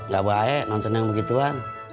gak baik nonton yang begituan